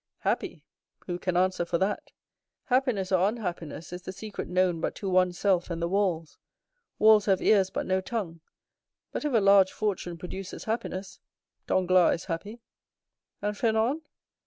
"Happy? Who can answer for that? Happiness or unhappiness is the secret known but to one's self and the walls—walls have ears but no tongue; but if a large fortune produces happiness, Danglars is happy." "And Fernand?"